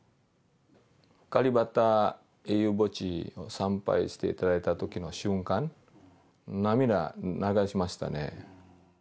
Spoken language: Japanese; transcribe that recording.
カリバタ英雄墓地に参拝していただいたときの瞬間、波が流しましたね。